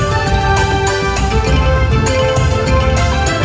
โชว์สี่ภาคจากอัลคาซ่าครับ